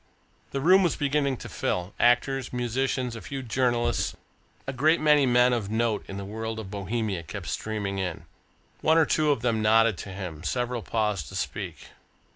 The room was beginning to fill actors, musicians, a few journalists, a great many men of note in the world of Bohemia kept streaming in. One or two of them nodded to him, several paused to speak.